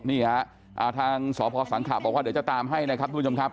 นี่ฮะทางสพสังขะบอกว่าเดี๋ยวจะตามให้นะครับทุกผู้ชมครับ